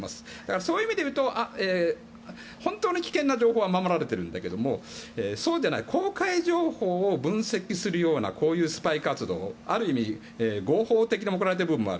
そういう意味でいうと本当に危険な情報は守られてるんだけどそうじゃない公開情報を分析するようなこういうスパイ活動ある意味、合法的に行われている部分もある。